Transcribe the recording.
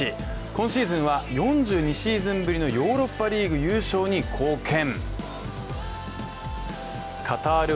今シーズンは４２シーズンぶりのヨーロッパリーグ優勝に貢献。